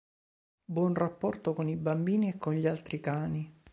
Buon rapporto con i bambini e con gli altri cani.